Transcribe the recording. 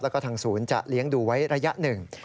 แล้วก็ทางศูนย์จะเลี้ยงดูไว้ระยะหนึ่ง